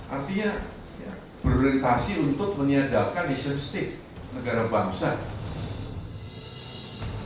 artinya berorientasi untuk menyedarkan isu stik negara bangsa